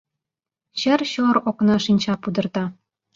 Чыр-чор окна шинча пудырта.